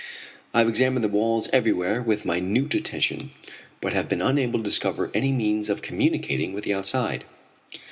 I have examined the walls everywhere with minute attention, but have been unable to discover any means of communicating with the outside.